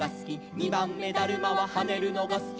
「にばんめだるまははねるのがすき」